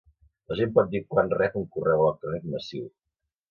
La gent pot dir quan rep un correu electrònic massiu.